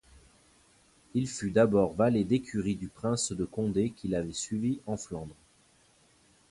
Il fut d'abord valet d'écurie du prince de Condé qu'il avait suivi en Flandre.